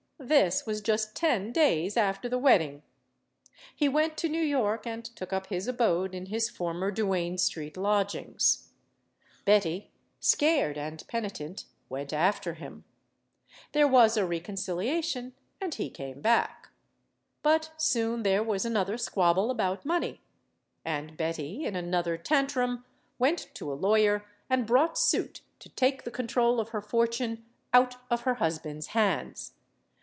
This was just ten days after the wedding. He went to New York and took up his abode in his former Duane Street lodgings. Betty, scared and penitent, MADAME JUMEL 111 went after him. There was a reconciliation, and he came back. But soon there was another squabble about money. And Betty, in another tantrum, went to a lawyer and brought suit to take the control of her fortune out of her husband's hands.